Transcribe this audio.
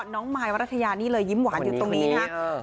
แล้วก็น้องมายวรัฐยานี่ยิ้มหวานยังงี้ตรงนี้โอเค